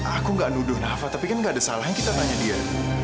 aku gak nuduh nafa tapi kan gak ada salah yang kita tanya dia